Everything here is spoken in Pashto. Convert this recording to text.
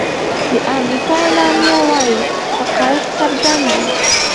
د امریکا اعلامیه وايي حقایق څرګند دي.